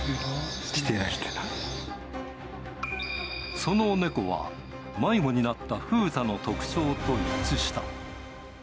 その猫は、迷子になったふうたの特徴と一致した。